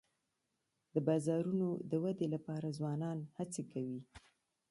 د بازارونو د ودي لپاره ځوانان هڅي کوي.